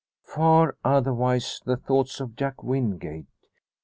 Far otherwise the thoughts of Jack Wingate.